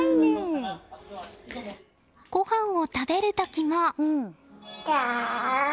ごはんを食べる時も。